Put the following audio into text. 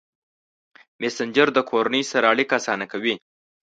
مسېنجر د کورنۍ سره اړیکه اسانه کوي.